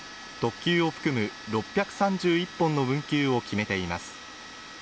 特急を含む６３１本の運休を決めています